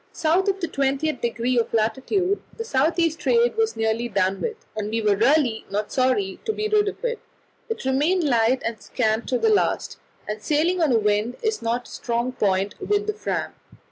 South of the 20th degree of latitude the south east trade was nearly done with, and we were really not sorry to be rid of it; it remained light and scant to the last, and sailing on a wind is not a strong point with the Fram.